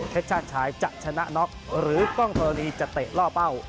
ชาติชายจะชนะน็อกหรือกล้องธรณีจะเตะล่อเป้า